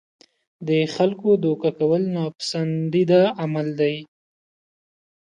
د خلکو دوکه کول ناپسندیده عمل دی.